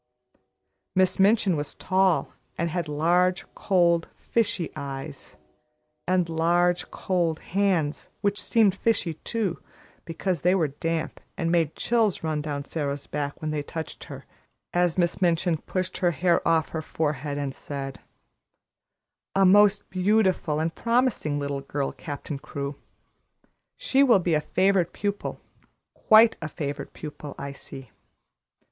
Miss Minchin was tall, and had large, cold, fishy eyes, and large, cold hands, which seemed fishy, too, because they were damp and made chills run down Sara's back when they touched her, as Miss Minchin pushed her hair off her forehead and said: "A most beautiful and promising little girl, Captain Crewe. She will be a favorite pupil; quite a favorite pupil, I see."